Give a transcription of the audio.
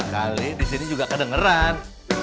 kalian di sini juga kedengaran